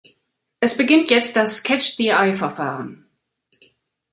Es beginnt jetzt das "Catch-the-Eye"Verfahren.